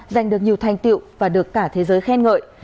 giành được nhiều thành tiệu và được cả thế giới khen ngợi